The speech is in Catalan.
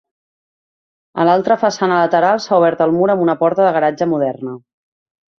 A l'altra façana lateral s'ha obert el mur amb una porta de garatge moderna.